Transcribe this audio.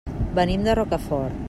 Venim de Rocafort.